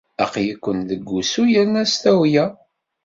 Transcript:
Aql-iken deg wusu yerna s tawla.